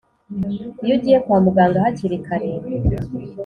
iyo ugiye kwa muganga hakiri kare.